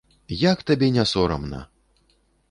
Як табе не сорамна?